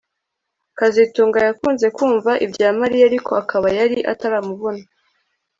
kazitunga yakunze kumva ibya Mariya ariko akaba yari ataramubona